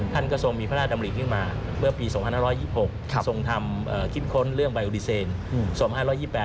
ท่านก็ทรงมีพระราชดำริขึ้นมาเมื่อปี๒๕๒๖ทรงทำคิดค้นเรื่องใบโอดีเซน๒๕๒๘